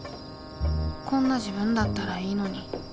こんな自分だったらいいのに。